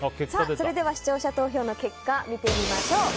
それでは視聴者投票の結果見てみましょう。